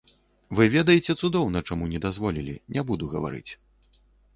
Вы ведаеце цудоўна, чаму не дазволілі, не буду гаварыць.